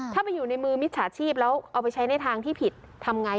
ถ้าไปอยู่ในมือมิจฉาชีพแล้วเอาไปใช้ในทางที่ผิดทำไง